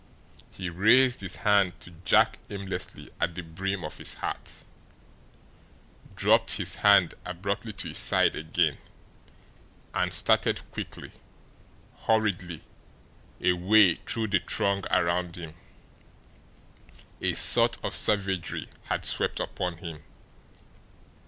He raised his hand to jerk aimlessly at the brim of his hat, dropped his hand abruptly to his side again, and started quickly, hurriedly away through the throng around him. A sort of savagery had swept upon him.